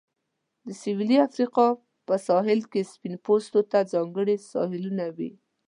د سویلي افریقا په ساحل کې سپین پوستو ته ځانګړي ساحلونه وې.